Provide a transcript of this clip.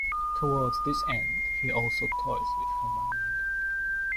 Toward this end, he also toys with her mind.